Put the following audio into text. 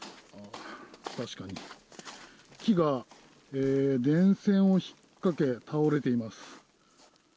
確かに、木が電線をひっかけ倒れています。